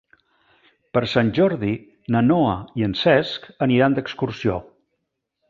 Per Sant Jordi na Noa i en Cesc aniran d'excursió.